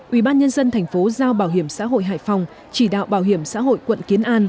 ủy ban nhân dân thành phố giao bảo hiểm xã hội hải phòng chỉ đạo bảo hiểm xã hội quận kiến an